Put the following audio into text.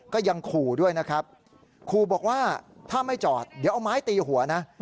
ก็ยังขู่ด้วยนะครับขู่บอกว่าถ้าไม่จอดเดี๋ยวเอาไม้ตีหัวนะ